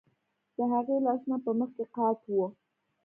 د هغې لاسونه په مخ کې قات وو